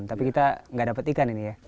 tapi kita nggak dapat ikan ini ya